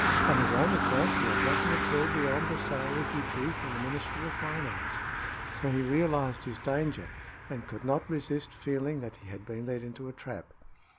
On his own account he had nothing at all beyond the salary he drew from the Ministry of Finance; so he realized his danger, and could not resist feeling that he had been led into a trap.